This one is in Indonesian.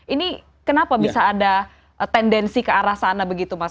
ini kenapa bisa ada tendensi ke arah sana begitu mas